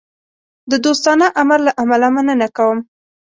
د دوستانه عمل له امله مننه کوم.